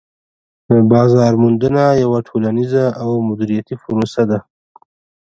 بازار موندنه یوه ټولنيزه او دمدریتی پروسه ده